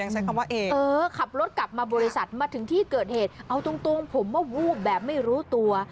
ใช้คำว่าเออขับรถกลับมาบริษัทมาถึงที่เกิดเหตุเอาตรงผมว่าวูบแบบไม่รู้ตัว